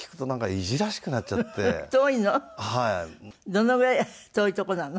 どのぐらい遠いとこなの？